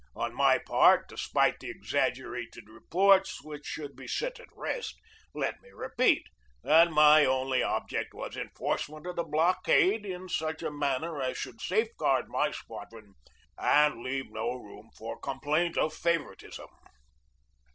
On my part, despite the exaggerated reports which should be set at rest, let me repeat that my only object was enforcement of the blockade in such a manner as should safeguard my squadron, and leave no room for complaint of favoritism.